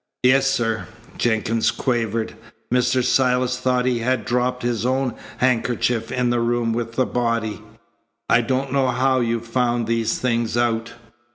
"Yes, sir," Jenkins quavered. "Mr. Silas thought he had dropped his own handkerchief in the room with the body. I don't know how you've found these things out."